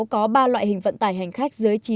có ba loại hình vận tải hành khách